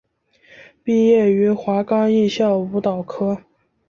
毕业于华冈艺校舞蹈科。